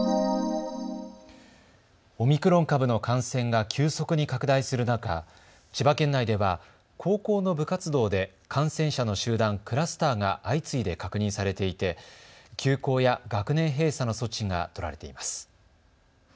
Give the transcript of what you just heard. オミクロン株の感染が急速に拡大する中、千葉県内では高校の部活動で感染者の集団・クラスターが相次いで確認されていて休校や学年閉鎖の措置が取られています。